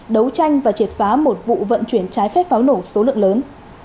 đấu tranh và triệt phá một vụ vận chuyển trái phép pháo nổ số lượng lớn